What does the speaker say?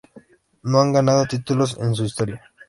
No han ganado títulos en su historia.